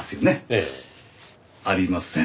ええ。ありません。